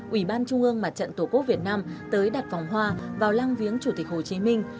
ủy ban trung ương mặt trận tổ quốc việt nam tới đặt vòng hoa vào lang viếng chủ tịch hồ chí minh